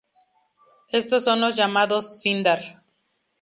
Estos son los llamados Sindar.